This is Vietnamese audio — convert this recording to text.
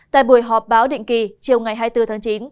tại buổi họp báo định kỳ chiều ngày hai mươi bốn tháng chín